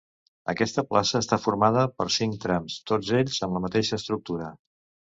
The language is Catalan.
Aquesta plaça està formada per cinc trams, tots ells amb la mateixa estructura.